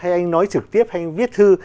hay anh nói trực tiếp hay anh viết thư